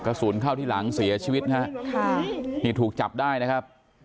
กระสุนเข้าที่หลังเสียชีวิตนะฮะค่ะนี่ถูกจับได้นะครับ